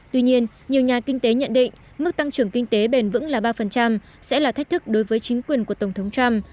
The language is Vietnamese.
tuy nhiên nhiều nhà kinh tế nhận định mức tăng trưởng kinh tế bền vững là ba sẽ là thách thức đối với chính quyền của tổng thống trump